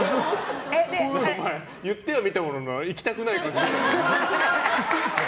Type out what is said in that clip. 言ってはみたものの行きたくない感じ出てるぞ。